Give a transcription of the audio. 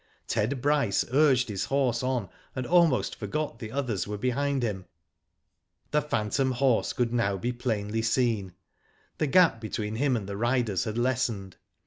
Ted Bryce urged his horse on, and almost forgot the others were behind him. The phantom horse could now be plainly seen. The gap between him and the riders had less ened.